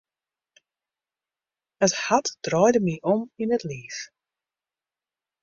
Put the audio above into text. It hart draaide my om yn it liif.